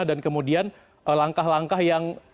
dan kemudian langkah langkah yang